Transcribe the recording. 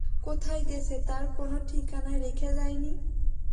কোথায় গেছে তার কোনো ঠিকানা রেখে যায় নি।